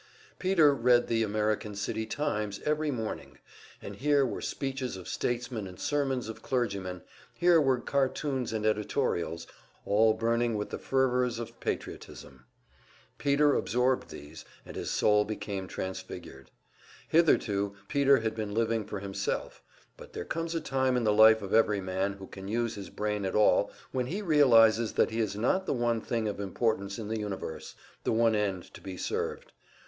Peter read the American City "Times" every morning, and here were speeches of statesmen and sermons of clergymen, here were cartoons and editorials, all burning with the fervor's of patriotism. Peter absorbed these, and his soul became transfigured. Hitherto Peter had been living for himself; but there comes a time in the life of every man who can use his brain at all when he realizes that he is not the one thing of importance in the universe, the one end to be served.